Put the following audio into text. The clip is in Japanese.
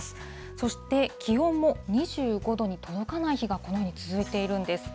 そして気温も２５度に届かない日がこのように続いているんです。